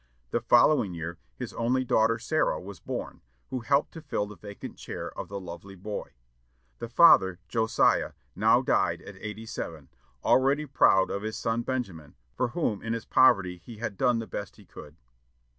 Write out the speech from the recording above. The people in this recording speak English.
The following year his only daughter, Sarah, was born, who helped to fill the vacant chair of the lovely boy. The father, Josiah, now died at eighty seven, already proud of his son Benjamin, for whom in his poverty he had done the best he could.